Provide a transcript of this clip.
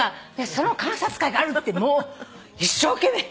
その観察会があるってもう一生懸命茨城の方。